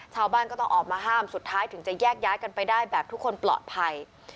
ชาวบ้านต้องออกมาห้ามถึงแยกย้ายไปกันได้แบบทุกคนปลอดภัย